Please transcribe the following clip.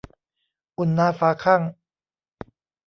อุ่นหนาฝาคั่ง